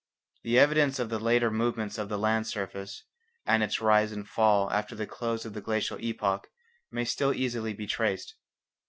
The evidence of the later movements of the land surface, and its rise and fall after the close of the glacial epoch, may still easily be traced.